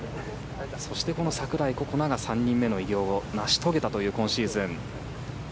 そして、この櫻井心那が３人目の偉業を成し遂げたという今シーズン。